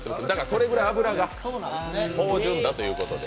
それくらい脂が芳じゅんだということで。